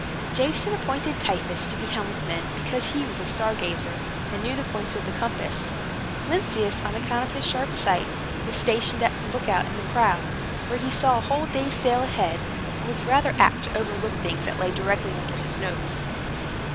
Jason appointed Tiphys to be helmsman because he was a star gazer, and knew the points of the compass. Lynceus, on account of his sharp sight, was stationed as a look out in the prow, where he saw a whole day's sail ahead, but was rather apt to overlook things that lay directly under his nose.